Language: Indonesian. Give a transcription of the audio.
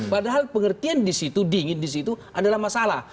padahal pengertian di situ dingin di situ adalah masalah